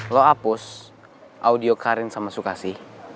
lo hapus audio karin sama sukasi